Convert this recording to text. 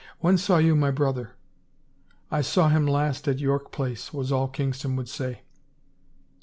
" When saw you my brother ?"" I saw him last at York Place," was all Kingston would say.